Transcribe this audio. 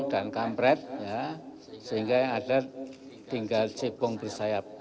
dan kampret sehingga yang ada tinggal cepong bersayap